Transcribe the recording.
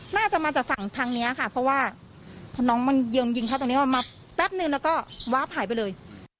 น่าจะมาจากฝั่งทางนี้ค่ะเพราะว่าพอน้องมันเยิมยิงเขาตรงนี้มาแป๊บนึงแล้วก็วาบหายไปเลย